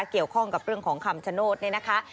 เกี่ยวข้องกับเรื่องของคำชโนธนี่นะคะ